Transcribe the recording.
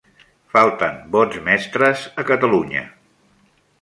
Falten bons mestres a Catalunya.